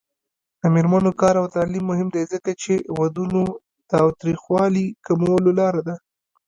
د میرمنو کار او تعلیم مهم دی ځکه چې ودونو تاوتریخوالي کمولو لاره ده.